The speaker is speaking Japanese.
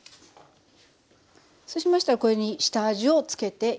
そうしましたらこれに下味をつけていきましょう。